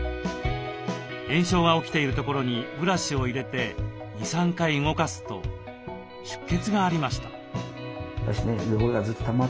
炎症が起きているところにブラシを入れて２３回動かすと出血がありました。